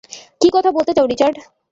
কী কথা বলতে চাও, রিচার্ড?